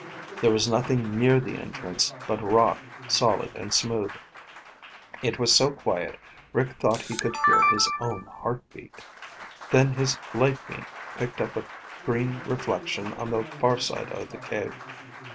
There was nothing near the entrance but rock, solid and smooth. And it was so quiet Rick thought he could hear his own heartbeat. Then his light beam picked up a green reflection on the far side of the cave.